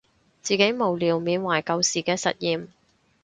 自己無聊緬懷舊時嘅實驗